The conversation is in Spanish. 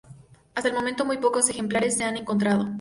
Hasta el momento, muy pocos ejemplares se han encontrado.